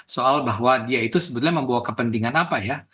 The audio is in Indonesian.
soal bahwa dia itu sebetulnya membawa kepentingan apa ya